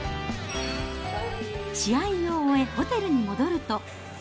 試合を終え、ホテルに戻ると。